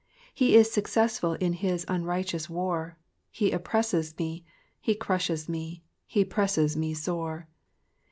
He is successful in his unrighteous war— he oppresses me, he crushes me, he presses me sore.